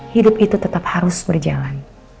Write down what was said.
hidup itu tetap harus berjalan